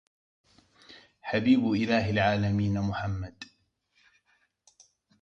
حبيب إله العالمين محمد